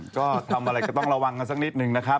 ก็ทำอะไรก็ต้องระวังกันสักนิดนึงนะครับ